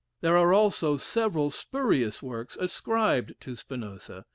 There are also several spurious works ascribed to Spinoza.